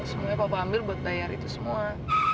semuanya bapak ambil buat bayar itu semua